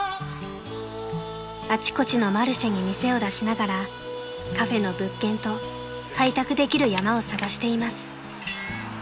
［あちこちのマルシェに店を出しながらカフェの物件と開拓できる山を探しています］